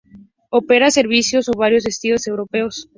Opera servicios a varios destinos europeos.